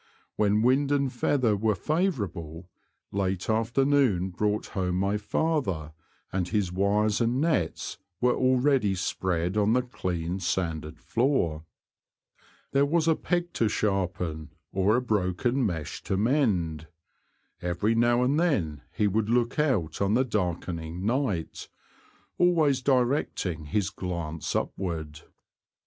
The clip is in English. When wind and feather were a vourable, late after noon brought home my father, and his wires and nets were already spread on the clean sanded floor. There was a peg to sharpen, or The Confessions of a Poacher. 23 a broken mesh to mend. Every now and then he would look out on the darkening night, always directing his glance upward.